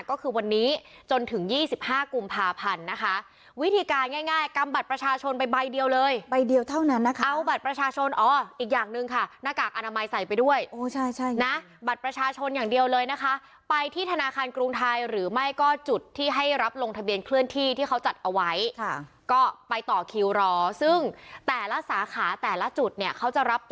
ก็คือวันนี้จนถึงยี่สิบห้ากุมภาพันธ์นะคะ